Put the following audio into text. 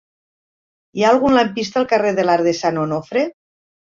Hi ha algun lampista al carrer de l'Arc de Sant Onofre?